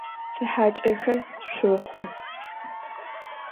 Si haç'exe şsoxhu!